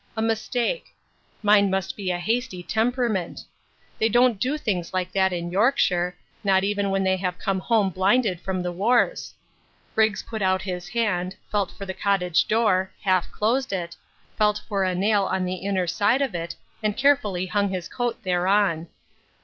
A mistake. Mine must be a hasty temperament. They don't do things like that in Yorkshire, not even when they have come home blinded from the wars. Briggs put out his hand, felt for the cottage door, half closed it, felt for a nail on the inner side of it, and carefully hung his coat thereon.